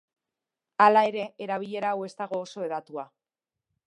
Hala ere, erabilera hau ez dago oso hedatua.